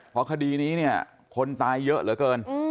เพราะคดีนี้เนี่ยคนตายเยอะเหลือเกิน